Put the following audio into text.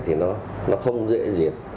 thì nó không dễ diệt